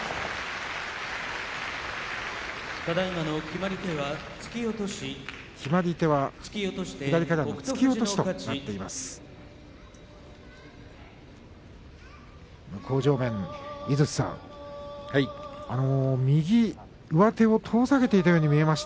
決まり手は左からの突き落としとなっています。